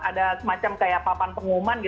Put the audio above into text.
ada semacam kayak papan pengumuman